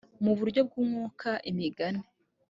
mu buryo bw umwuka imigani